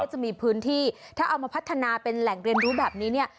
จะมีพื้นที่ถ้าเอามาพัฒนาเป็นแหล่งเรียนรู้แบบนี้เนี่ย